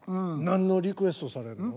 何のリクエストされんの？